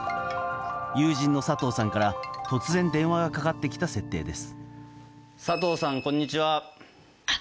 友人の佐藤さんから突然電話がかかってきた設定です。